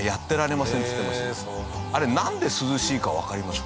あれなんで涼しいかわかりますか？